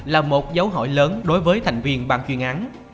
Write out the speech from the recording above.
là một dấu hỏi lớn đối với thành viên ban chuyên án